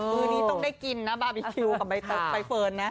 มือนี้ต้องได้กินนะบาร์บีคิวกับใบเฟิร์นนะ